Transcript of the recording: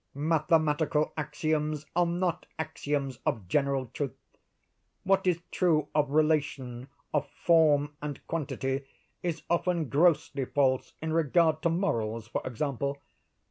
Mathematical axioms are not axioms of general truth. What is true of relation—of form and quantity—is often grossly false in regard to morals, for example.